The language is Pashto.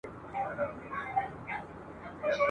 آیا نوم ئې ژوندی پاته سو؟